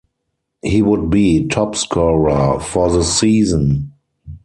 He would be top scorer for the season.